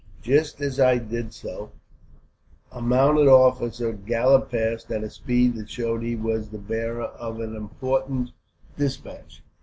"Just as I did so, a mounted officer galloped past, at a speed that showed he was the bearer of an important despatch.